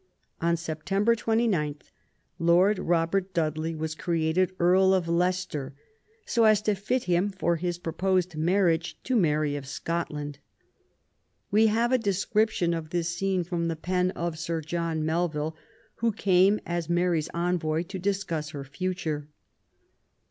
On September 29 Lord Robert Dudley was created Earl of Leicester so as to fit him for his proposed marriage to Mary of Scotland. We have a description of this scene from the pen of Sir John Melville, who came as Mary's envoy to discuss her future.